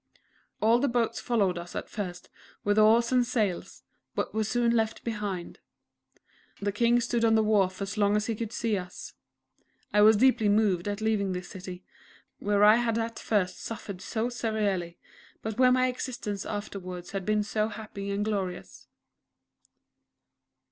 All the boats followed us at first with oars and sails, but were soon left behind. The King stood on the wharf as long as he could see us. I was deeply moved at leaving this city, where I had at first suffered so severely, but where my existence afterwards had been so happy and glorious.